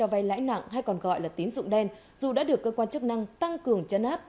vay lãi nặng hay còn gọi là tín dụng đen dù đã được cơ quan chức năng tăng cường chấn áp